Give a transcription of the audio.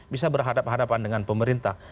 bisa berhadapan hadapan dengan pemerintah